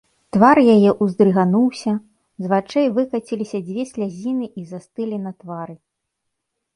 Твар яе ўздрыгануўся, з вачэй выкаціліся дзве слязіны і застылі на твары.